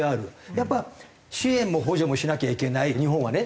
やっぱ支援も補助もしなきゃいけない日本はね